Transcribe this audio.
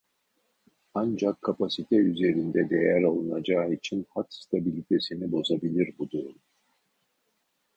Ancak kapasite üzerinde değer alınacağı için hat stabilitesini bozabilir bu durum